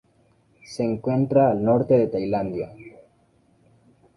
Se encuentra al norte de Tailandia.